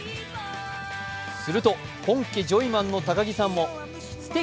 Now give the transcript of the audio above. すると本家・ジョイマンの高木さんも素敵！